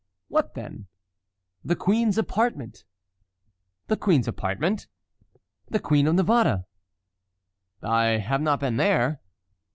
"What then?" "The queen's apartment." "The queen's apartment?" "The Queen of Navarre." "I have not been there."